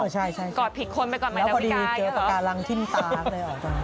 ใช่กอดผิดคนไปก่อนเหมือนแมวพีคาอยู่เหรอแล้วพอดีเจอปากกาลังทิ้นตาเหรอ